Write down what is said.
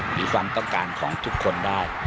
หรือความต้องการของทุกคนได้